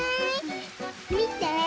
みて。